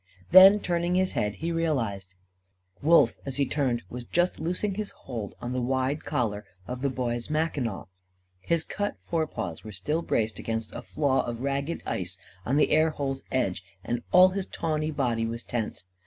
Then turning his head, he realised. Wolf, as he turned, was just loosing his hold on the wide collar of the Boy's mackinaw. His cut forepaws were still braced against a flaw of ragged ice on the air hole's edge, and all his tawny body was tense.